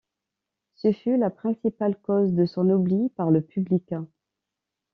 Ce fut la principale cause de son oubli par le public.